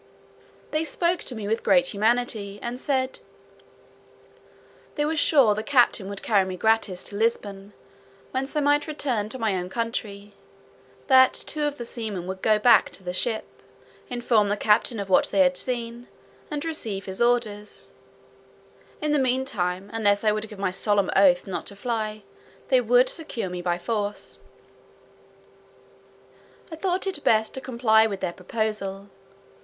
They spoke to me with great humanity, and said, "they were sure the captain would carry me gratis to Lisbon, whence I might return to my own country; that two of the seamen would go back to the ship, inform the captain of what they had seen, and receive his orders; in the mean time, unless I would give my solemn oath not to fly, they would secure me by force. I thought it best to comply with their proposal.